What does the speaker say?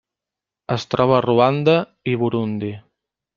Es troba a Ruanda i Burundi.